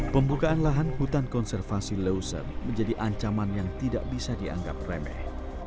pembukaan lahan hutan konservasi leuser menjadi ancaman yang tidak bisa dianggap remeh